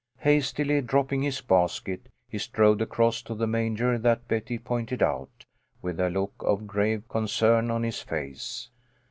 Hastily dropping his basket, he strode across to the manger that Betty pointed out, with a look of grave concern on his face.